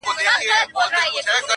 خپل یې کلی او دېره، خپله حجره وه!.